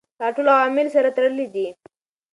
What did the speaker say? دا ټول عوامل سره تړلي دي.